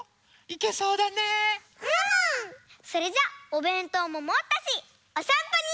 それじゃおべんとうももったしおさんぽに。